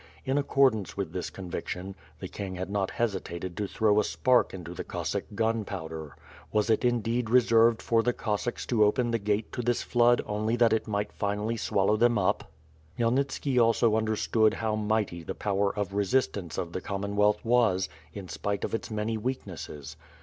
In accordance with this conviction, the king had not hesitated to thro^' a spark into the Cossack gunpowder. Was it indeed reserved for the (Cossacks to open the gate to this flood only that it might finally swallow them up? Khmyelnitski also understood how mighty the power of resistance of the Commonwealth was, in spite of its many weaknesses.